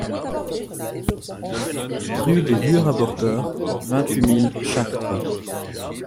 Rue des Vieux Rapporteurs, vingt-huit mille Chartres